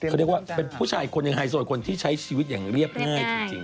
เขาเรียกว่าเป็นผู้ชายคนหนึ่งไฮโซคนที่ใช้ชีวิตอย่างเรียบง่ายจริง